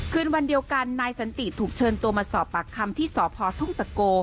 คืนวันเดียวกันนายสันติถูกเชิญตัวมาสอบปากคำที่สพทุ่งตะโก